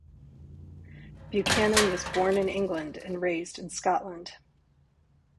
Buchanan was born in England and raised in Scotland.